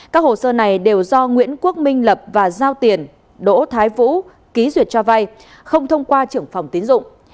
các hồ sơ này đều do nguyễn quốc minh lập và giao tiền đỗ thái vũ ký duyệt cho vay không thông qua trưởng phòng tín dụng